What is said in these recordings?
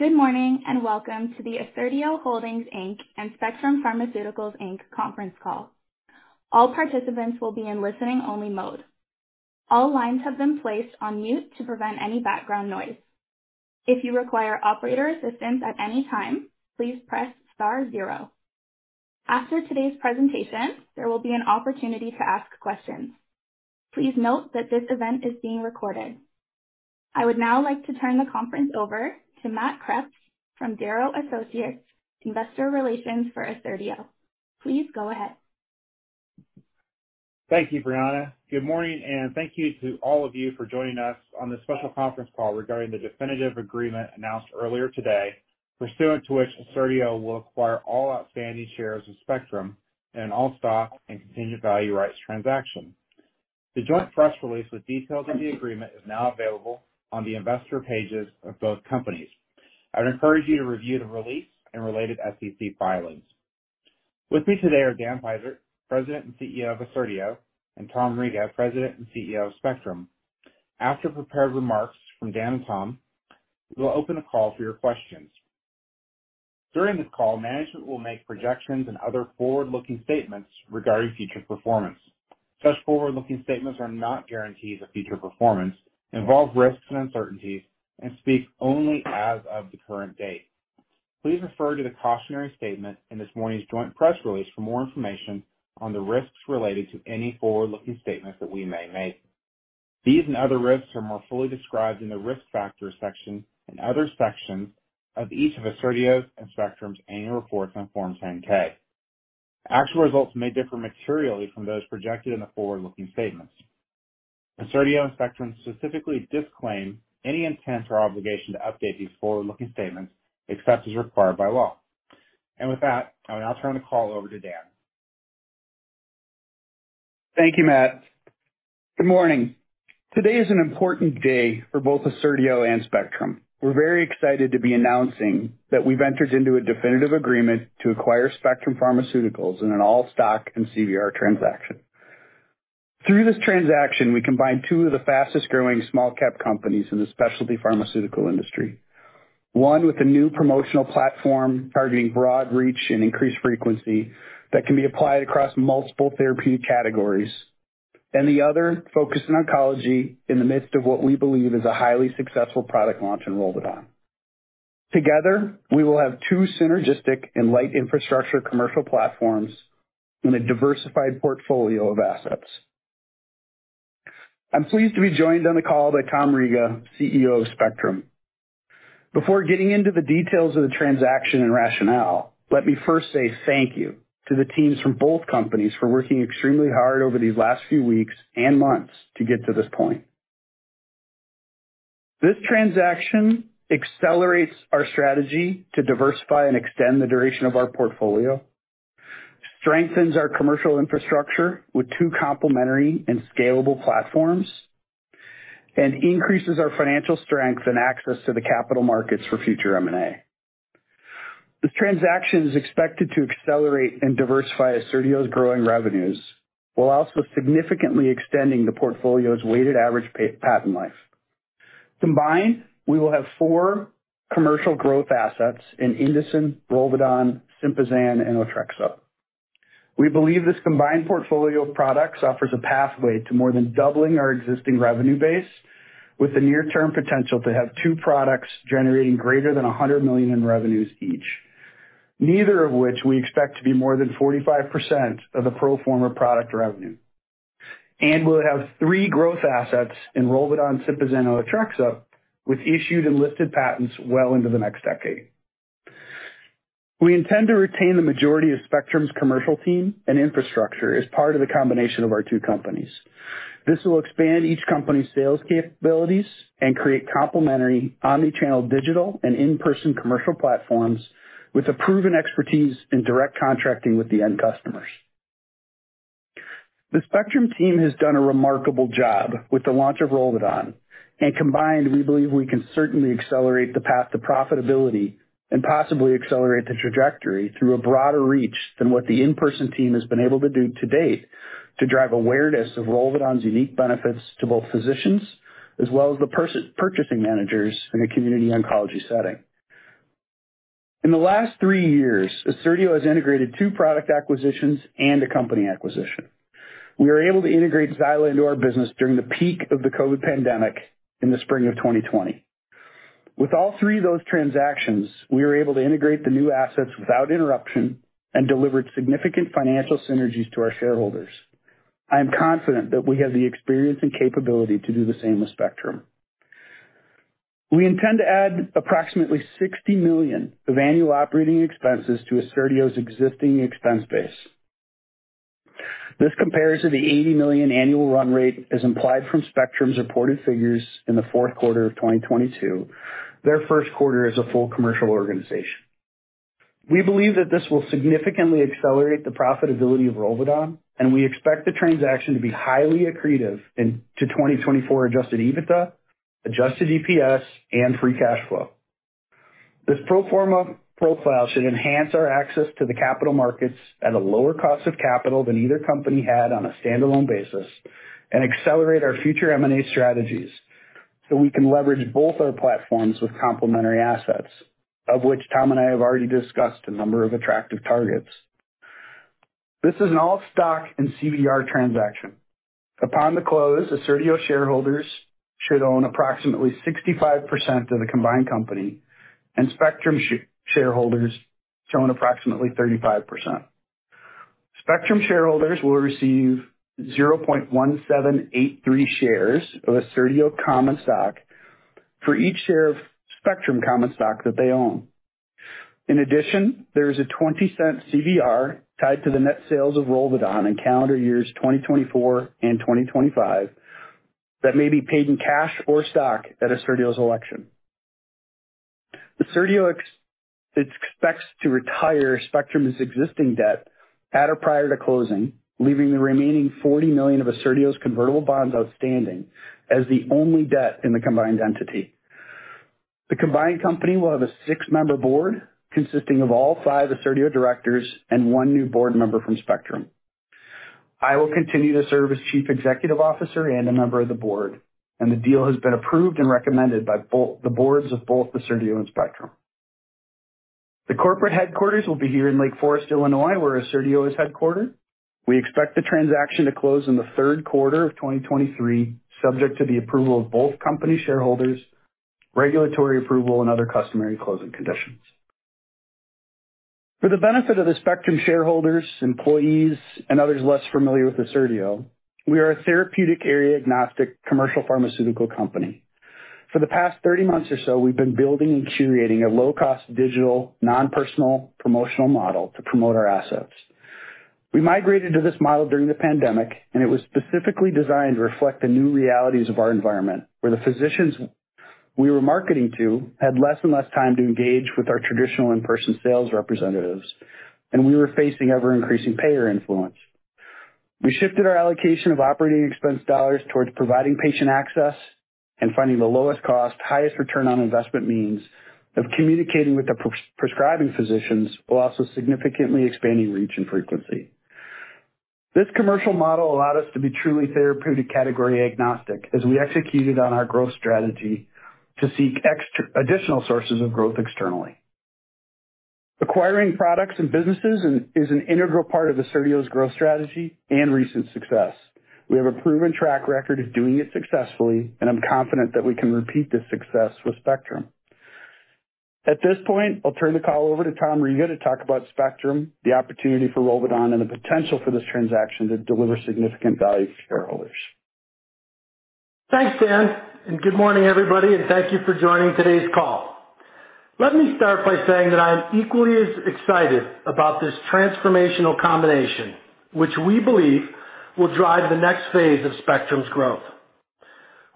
Good morning, and welcome to the Assertio Holdings, Inc. and Spectrum Pharmaceuticals, Inc. conference call. All participants will be in listening only mode. All lines have been placed on mute to prevent any background noise. If you require operator assistance at any time, please press star zero. After today's presentation, there will be an opportunity to ask questions. Please note that this event is being recorded. I would now like to turn the conference over to Matt Kreps from Darrow Associates, Investor Relations for Assertio. Please go ahead. Thank you, Brianna. Good morning, and thank you to all of you for joining us on this special conference call regarding the definitive agreement announced earlier today, pursuant to which Assertio will acquire all outstanding shares of Spectrum in an all-stock and contingent value rights transaction. The joint press release with details of the agreement is now available on the investor pages of both companies. I'd encourage you to review the release and related SEC filings. With me today are Dan Peisert, President and CEO of Assertio, and Tom Riga, President and CEO of Spectrum. After prepared remarks from Dan and Tom, we will open the call for your questions. During this call, management will make projections and other forward-looking statements regarding future performance. Such forward-looking statements are not guarantees of future performance, involve risks and uncertainties, and speak only as of the current date. Please refer to the cautionary statement in this morning's joint press release for more information on the risks related to any forward-looking statements that we may make. These and other risks are more fully described in the Risk Factors section and other sections of each of Assertio's and Spectrum's annual reports on Form 10-K. Actual results may differ materially from those projected in the forward-looking statements. Assertio and Spectrum specifically disclaim any intent or obligation to update these forward-looking statements except as required by law. With that, I'll now turn the call over to Dan. Thank you, Matt. Good morning. Today is an important day for both Assertio and Spectrum. We're very excited to be announcing that we've entered into a definitive agreement to acquire Spectrum Pharmaceuticals in an all-stock and CVR transaction. Through this transaction, we combine two of the fastest growing small cap companies in the specialty pharmaceutical industry. One with a new promotional platform targeting broad reach and increased frequency that can be applied across multiple therapeutic categories, and the other focused on oncology in the midst of what we believe is a highly successful product launch in ROLVEDON. Together, we will have two synergistic and light infrastructure commercial platforms in a diversified portfolio of assets. I'm pleased to be joined on the call by Tom Riga, CEO of Spectrum. Before getting into the details of the transaction and rationale, let me first say thank you to the teams from both companies for working extremely hard over these last few weeks and months to get to this point. This transaction accelerates our strategy to diversify and extend the duration of our portfolio, strengthens our commercial infrastructure with two complementary and scalable platforms, and increases our financial strength and access to the capital markets for future M&A. This transaction is expected to accelerate and diversify Assertio's growing revenues, while also significantly extending the portfolio's weighted average patent life. Combined, we will have four commercial growth assets in Indocin, ROLVEDON, SYMPAZAN, and Otrexup. We believe this combined portfolio of products offers a pathway to more than doubling our existing revenue base with the near-term potential to have two products generating greater than $100 million in revenues each, neither of which we expect to be more than 45% of the pro forma product revenue. We'll have three growth assets in ROLVEDON, SYMPAZAN, and Otrexup, with issued and lifted patents well into the next decade. We intend to retain the majority of Spectrum's commercial team and infrastructure as part of the combination of our two companies. This will expand each company's sales capabilities and create complementary omnichannel digital and in-person commercial platforms with a proven expertise in direct contracting with the end customers. The Spectrum team has done a remarkable job with the launch of ROLVEDON. Combined, we believe we can certainly accelerate the path to profitability and possibly accelerate the trajectory through a broader reach than what the in-person team has been able to do to date to drive awareness of ROLVEDON's unique benefits to both physicians as well as the purchasing managers in a community oncology setting. In the last three years, Assertio has integrated two product acquisitions and a company acquisition. We were able to integrate Zyla into our business during the peak of the COVID pandemic in the spring of 2020. With all three of those transactions, we were able to integrate the new assets without interruption and delivered significant financial synergies to our shareholders. I am confident that we have the experience and capability to do the same with Spectrum. We intend to add approximately $60 million of annual operating expenses to Assertio's existing expense base. This compares to the $80 million annual run rate as implied from Spectrum's reported figures in the fourth quarter of 2022, their first quarter as a full commercial organization. We believe that this will significantly accelerate the profitability of ROLVEDON, and we expect the transaction to be highly accretive in to 2024 Adjusted EBITDA, adjusted EPS, and free cash flow. This pro forma profile should enhance our access to the capital markets at a lower cost of capital than either company had on a standalone basis and accelerate our future M&A strategies so we can leverage both our platforms with complementary assets, of which Tom and I have already discussed a number of attractive targets. This is an all-stock and CVR transaction. Upon the close, Assertio shareholders should own approximately 65% of the combined company, Spectrum shareholders own approximately 35%. Spectrum shareholders will receive 0.1783 shares of Assertio common stock for each share of Spectrum common stock that they own. In addition, there is a $0.20 CVR tied to the net sales of ROLVEDON in calendar years 2024 and 2025 that may be paid in cash or stock at Assertio's election. Assertio expects to retire Spectrum's existing debt at or prior to closing, leaving the remaining $40 million of Assertio's convertible bonds outstanding as the only debt in the combined entity. The combined company will have a six-member board consisting of all five Assertio directors and one new board member from Spectrum. I will continue to serve as chief executive officer and a member of the board. The deal has been approved and recommended by the boards of both Assertio and Spectrum. The corporate headquarters will be here in Lake Forest, Illinois, where Assertio is headquartered. We expect the transaction to close in the third quarter of 2023, subject to the approval of both company shareholders, regulatory approval, and other customary closing conditions. For the benefit of the Spectrum shareholders, employees, and others less familiar with Assertio, we are a therapeutic area agnostic commercial pharmaceutical company. For the past 30 months or so, we've been building and curating a low-cost digital, non-personal promotional model to promote our assets. We migrated to this model during the pandemic, and it was specifically designed to reflect the new realities of our environment, where the physicians we were marketing to had less and less time to engage with our traditional in-person sales representatives, and we were facing ever-increasing payer influence. We shifted our allocation of operating expense dollars towards providing patient access and finding the lowest cost, highest return on investment means of communicating with the prescribing physicians while also significantly expanding reach and frequency. This commercial model allowed us to be truly therapeutic category agnostic as we executed on our growth strategy to seek additional sources of growth externally. Acquiring products and businesses is an integral part of Assertio's growth strategy and recent success. We have a proven track record of doing it successfully, and I'm confident that we can repeat this success with Spectrum. At this point, I'll turn the call over to Tom Riga to talk about Spectrum, the opportunity for ROLVEDON, and the potential for this transaction to deliver significant value to shareholders. Thanks, Dan. Good morning, everybody, and thank you for joining today's call. Let me start by saying that I am equally as excited about this transformational combination, which we believe will drive the next phase of Spectrum's growth.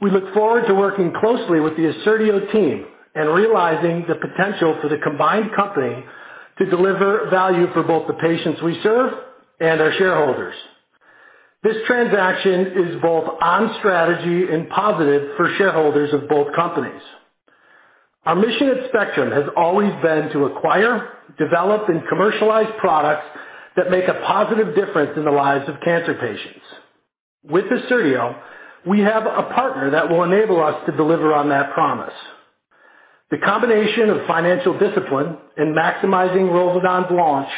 We look forward to working closely with the Assertio team and realizing the potential for the combined company to deliver value for both the patients we serve and our shareholders. This transaction is both on strategy and positive for shareholders of both companies. Our mission at Spectrum has always been to acquire, develop, and commercialize products that make a positive difference in the lives of cancer patients. With Assertio, we have a partner that will enable us to deliver on that promise. The combination of financial discipline and maximizing ROLVEDON's launch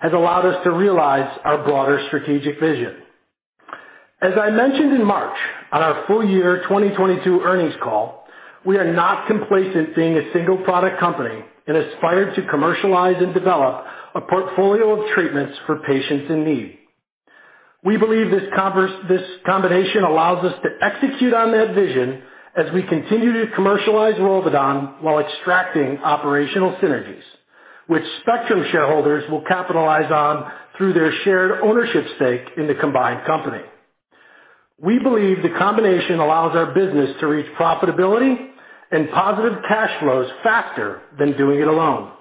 has allowed us to realize our broader strategic vision. As I mentioned in March on our full year 2022 earnings call, we are not complacent being a single product company and aspire to commercialize and develop a portfolio of treatments for patients in need. We believe this combination allows us to execute on that vision as we continue to commercialize ROLVEDON while extracting operational synergies, which Spectrum shareholders will capitalize on through their shared ownership stake in the combined company. We believe the combination allows our business to reach profitability and positive cash flows faster than doing it alone.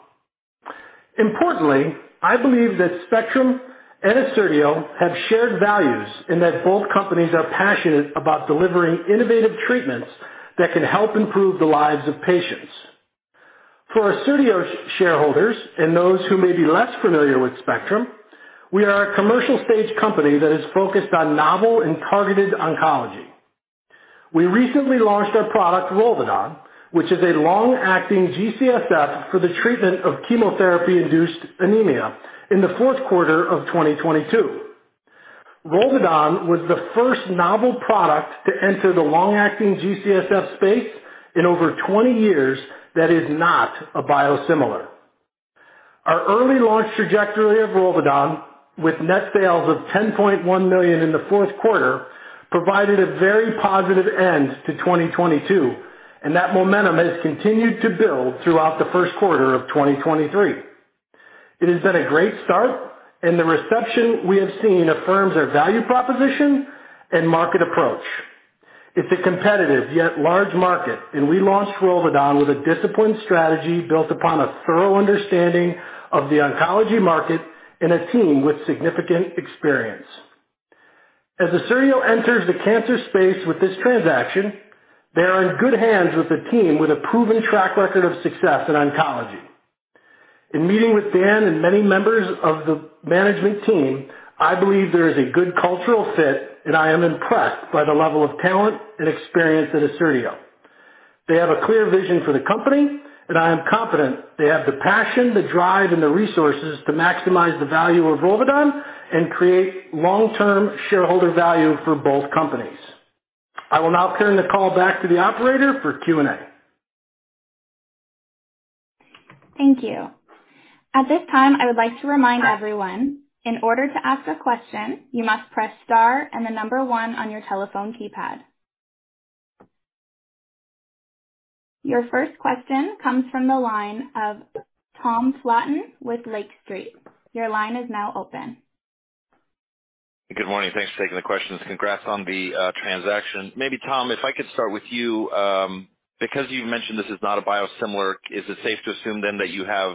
Importantly, I believe that Spectrum and Assertio have shared values and that both companies are passionate about delivering innovative treatments that can help improve the lives of patients. For Assertio shareholders and those who may be less familiar with Spectrum, we are a commercial stage company that is focused on novel and targeted oncology. We recently launched our product, ROLVEDON, which is a long-acting GCSF for the treatment of chemotherapy-induced neutropenia in the fourth quarter of 2022. ROLVEDON was the first novel product to enter the long-acting GCSF space in over 20 years that is not a biosimilar. Our early launch trajectory of ROLVEDON, with net sales of $10.1 million in the fourth quarter, provided a very positive end to 2022, and that momentum has continued to build throughout the first quarter of 2023. It has been a great start, and the reception we have seen affirms our value proposition and market approach. It's a competitive yet large market. We launched ROLVEDON with a disciplined strategy built upon a thorough understanding of the oncology market and a team with significant experience. As Assertio enters the cancer space with this transaction, they are in good hands with a team with a proven track record of success in oncology. In meeting with Dan and many members of the management team, I believe there is a good cultural fit, and I am impressed by the level of talent and experience at Assertio. They have a clear vision for the company, and I am confident they have the passion, the drive, and the resources to maximize the value of ROLVEDON and create long-term shareholder value for both companies. I will now turn the call back to the operator for Q&A. Thank you. At this time, I would like to remind everyone, in order to ask a question, you must press star and the number 1 on your telephone keypad. Your first question comes from the line of Thomas Flaten with Lake Street. Your line is now open. Good morning. Thanks for taking the questions. Congrats on the transaction. Maybe Tom, if I could start with you, because you've mentioned this is not a biosimilar, is it safe to assume then that you have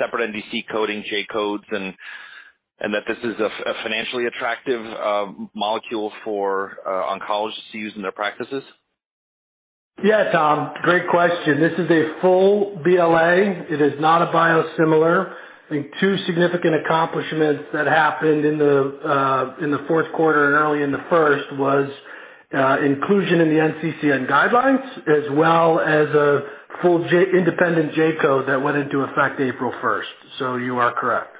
separate NDC coding, J-codes and that this is a financially attractive molecule for oncologists to use in their practices? Yeah, Tom, great question. This is a full BLA. It is not a biosimilar. I think two significant accomplishments that happened in the fourth quarter and early in the first was inclusion in the NCCN guidelines, as well as a full independent J-code that went into effect April first. You are correct.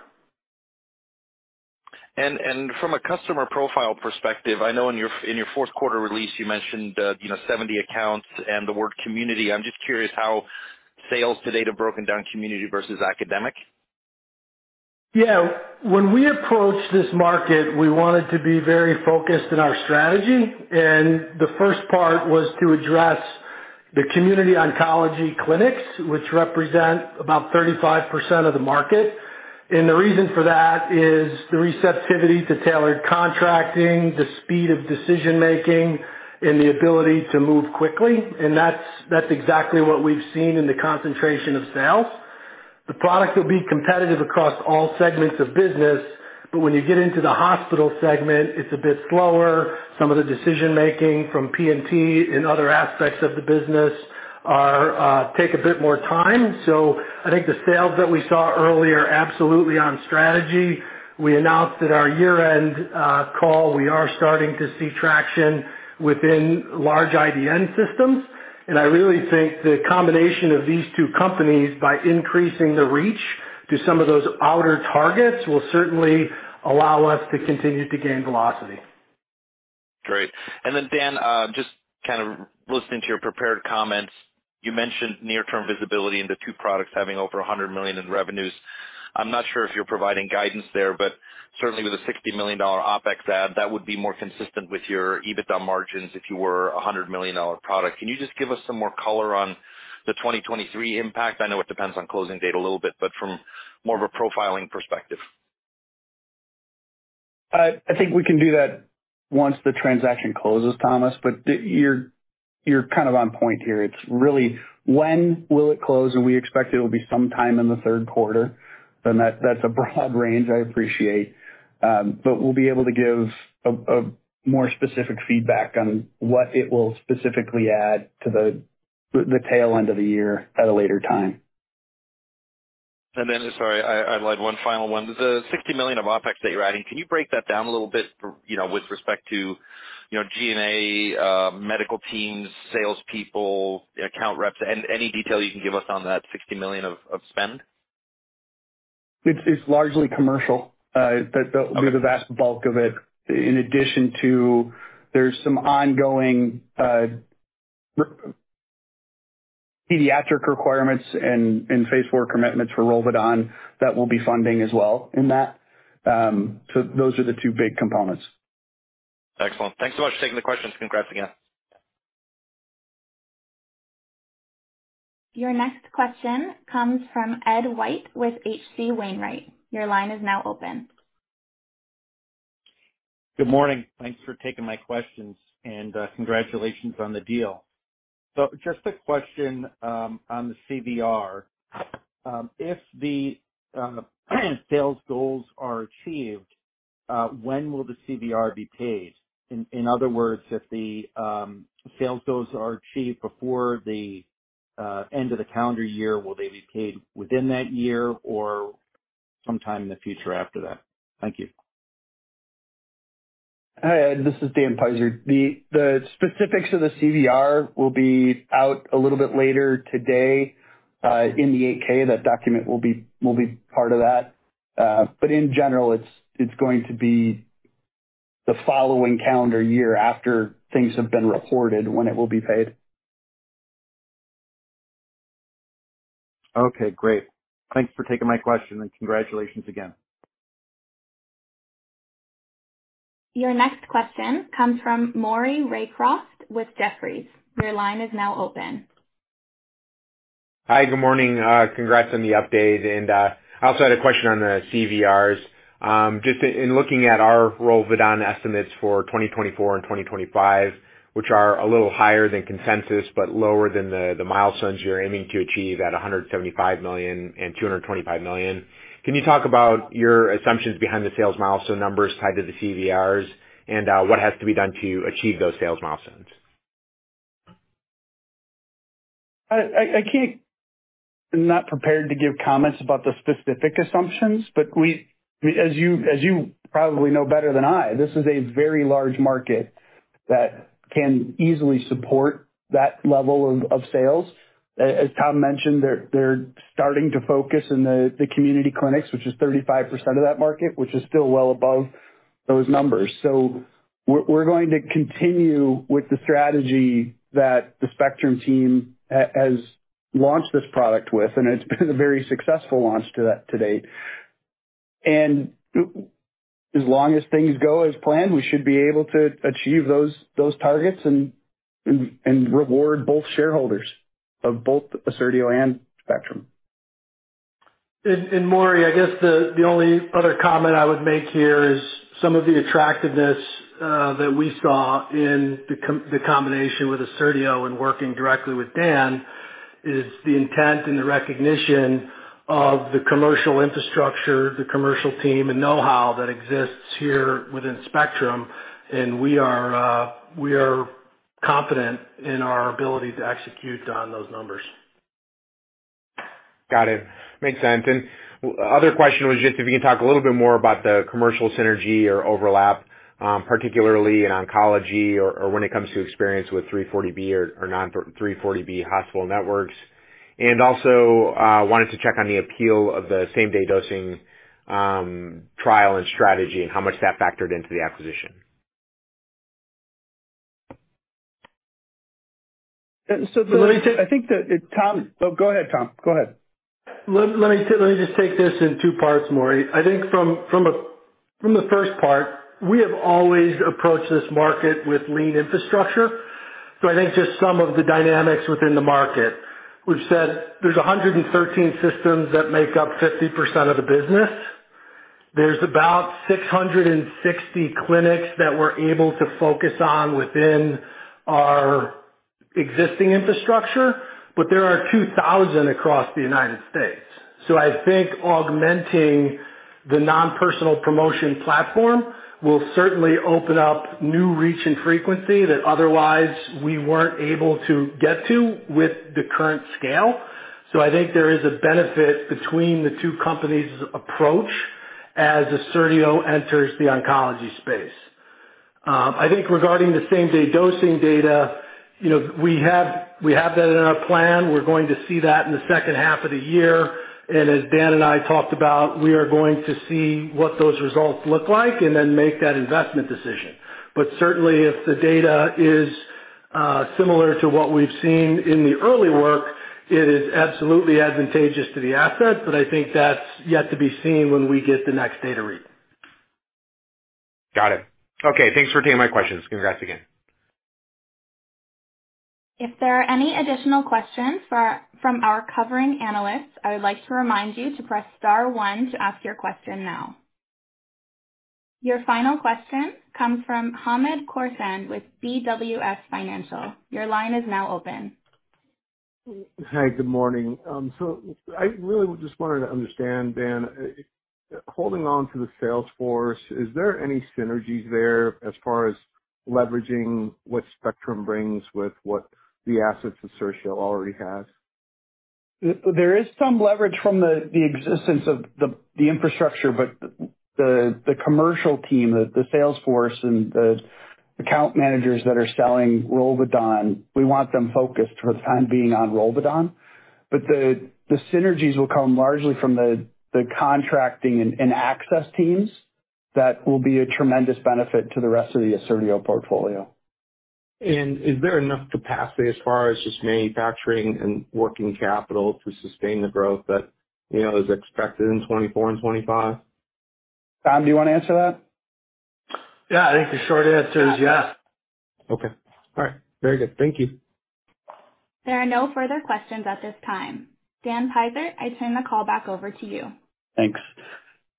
From a customer profile perspective, I know in your, in your fourth quarter release, you mentioned, you know, 70 accounts and the word community. I'm just curious how sales to date have broken down community versus academic. When we approached this market, we wanted to be very focused in our strategy. The first part was to address the community oncology clinics, which represent about 35% of the market. The reason for that is the receptivity to tailored contracting, the speed of decision-making and the ability to move quickly. That's exactly what we've seen in the concentration of sales. The product will be competitive across all segments of business. When you get into the hospital segment, it's a bit slower. Some of the decision-making from P&P and other aspects of the business take a bit more time. I think the sales that we saw early are absolutely on strategy. We announced at our year-end call, we are starting to see traction within large IDN systems. I really think the combination of these two companies by increasing the reach to some of those outer targets, will certainly allow us to continue to gain velocity. Great. Then, Dan, just kind of listening to your prepared comments, you mentioned near-term visibility and the two products having over $100 million in revenues. I'm not sure if you're providing guidance there, but certainly with a $60 million OpEx add, that would be more consistent with your EBITDA margins if you were a $100 million product. Can you just give us some more color on the 2023 impact? I know it depends on closing date a little bit, but from more of a profiling perspective. I think we can do that once the transaction closes, Thomas. You're kind of on point here. It's really when will it close, and we expect it'll be sometime in the third quarter. That's a broad range, I appreciate. We'll be able to give a more specific feedback on what it will specifically add to the tail end of the year at a later time. Sorry, I had one final one. The $60 million of OpEx that you're adding, can you break that down a little bit for, you know, with respect to, you know, G&A, medical teams, salespeople, account reps? Any detail you can give us on that $60 million of spend. It's largely commercial. Okay. will be the vast bulk of it. In addition to there's some ongoing, pediatric requirements and Phase IV commitments for ROLVEDON that we'll be funding as well in that. Those are the two big components. Excellent. Thanks so much for taking the questions. Congrats again. Your next question comes from Ed White with H.C. Wainwright. Your line is now open. Good morning. Thanks for taking my questions, and congratulations on the deal. Just a question on the CVR. If the sales goals are achieved, when will the CVR be paid? In other words, if the sales goals are achieved before the end of the calendar year, will they be paid within that year or sometime in the future after that? Thank you. Hi, Ed. This is Dan Peisert. The specifics of the CVR will be out a little bit later today, in the Form 8-K. That document will be part of that. In general, it's going to be the following calendar year after things have been reported when it will be paid. Okay, great. Thanks for taking my question. Congratulations again. Your next question comes from Maury Raycroft with Jefferies. Your line is now open. Hi, good morning. Congrats on the update. I also had a question on the CVRs. just in looking at our ROLVEDON estimates for 2024 and 2025, which are a little higher than consensus but lower than the milestones you're aiming to achieve at $175 million and $225 million. Can you talk about your assumptions behind the sales milestone numbers tied to the CVRs and what has to be done to achieve those sales milestones? I can't I'm not prepared to give comments about the specific assumptions, but we, as you probably know better than I, this is a very large market that can easily support that level of sales. As Tom mentioned, they're starting to focus in the community clinics, which is 35% of that market, which is still well above those numbers. We're going to continue with the strategy that the Spectrum team has launched this product with, and it's been a very successful launch to date. As long as things go as planned, we should be able to achieve those targets and reward both shareholders of Assertio and Spectrum. Maury, I guess the only other comment I would make here is some of the attractiveness that we saw in the combination with Assertio and working directly with Dan is the intent and the recognition of the commercial infrastructure, the commercial team, and know-how that exists here within Spectrum. We are confident in our ability to execute on those numbers. Got it. Makes sense. Other question was just if you could talk a little bit more about the commercial synergy or overlap, particularly in oncology or when it comes to experience with 340B or non-340B hospital networks. Also, wanted to check on the appeal of the same-day dosing trial and strategy and how much that factored into the acquisition. Let me just, I think that Tom... Oh, go ahead, Tom. Go ahead. Let me just take this in two parts, Maury. I think from the first part, we have always approached this market with lean infrastructure. I think just some of the dynamics within the market, we've said there's 113 systems that make up 50% of the business. There's about 660 clinics that we're able to focus on within our existing infrastructure, but there are 2,000 across the United States. I think augmenting the non-personal promotion platform will certainly open up new reach and frequency that otherwise we weren't able to get to with the current scale. I think there is a benefit between the two companies' approach as Assertio enters the oncology space. I think regarding the same-day dosing data, you know, we have that in our plan. We're going to see that in the second half of the year. As Dan and I talked about, we are going to see what those results look like and then make that investment decision. Certainly if the data is similar to what we've seen in the early work, it is absolutely advantageous to the assets. I think that's yet to be seen when we get the next data read. Got it. Okay. Thanks for taking my questions. Congrats again. If there are any additional questions from our covering analysts, I would like to remind you to press star 1 to ask your question now. Your final question comes from Hamed Khorsand with BWS Financial. Your line is now open. Hi, good morning. I really just wanted to understand, Dan, holding on to the sales force, is there any synergies there as far as leveraging what Spectrum brings with what the assets Assertio already has? There is some leverage from the existence of the infrastructure, but the commercial team, the sales force and the account managers that are selling ROLVEDON, we want them focused for the time being on ROLVEDON. The synergies will come largely from the contracting and access teams that will be a tremendous benefit to the rest of the Assertio portfolio. Is there enough capacity as far as just manufacturing and working capital to sustain the growth that, you know, is expected in 2024 and 2025? Tom, do you want to answer that? Yeah. I think the short answer is yes. Okay. All right. Very good. Thank you. There are no further questions at this time. Dan Peisert, I turn the call back over to you. Thanks.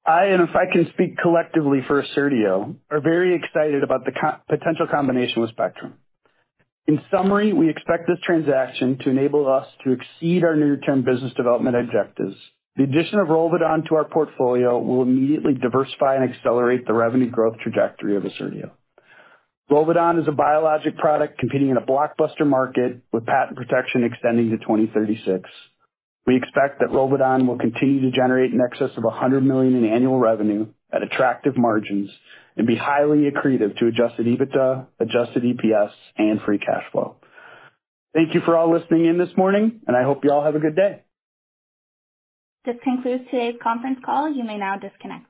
I, and if I can speak collectively for Assertio, are very excited about the potential combination with Spectrum. In summary, we expect this transaction to enable us to exceed our near-term business development objectives. The addition of ROLVEDON to our portfolio will immediately diversify and accelerate the revenue growth trajectory of Assertio. ROLVEDON is a biologic product competing in a blockbuster market with patent protection extending to 2036. We expect that ROLVEDON will continue to generate in excess of $100 million in annual revenue at attractive margins and be highly accretive to adjusted EBITDA, adjusted EPS, and free cash flow. Thank you for all listening in this morning, and I hope you all have a good day. This concludes today's conference call. You may now disconnect.